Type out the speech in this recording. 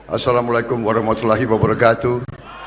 assalamualaikum warahmatullahi wabarakatuh